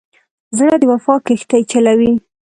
زړه د وفا کښتۍ چلوي.